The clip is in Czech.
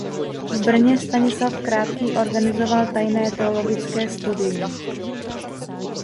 V Brně Stanislav Krátký organizoval tajné teologické studium.